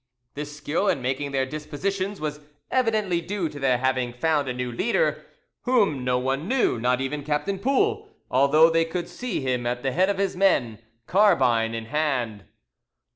This skill in making their dispositions was evidently due to their having found a new leader whom no one knew, not even Captain Poul, although they could see him at the head of his men, carbine in hand.